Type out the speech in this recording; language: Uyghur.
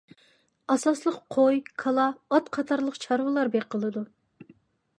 ئاساسلىق قوي، كالا، ئات قاتارلىق چارۋىلار بېقىلىدۇ.